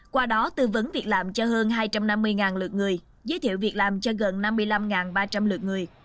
qua đó tư vấn việc làm cho hơn hai trăm năm mươi lượt người giới thiệu việc làm cho gần năm mươi năm ba trăm linh lượt người